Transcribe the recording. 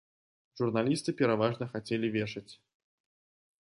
Журналісты пераважна хацелі вешаць.